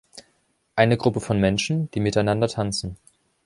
Eine Gruppe von Menschen, die miteinander tanzen.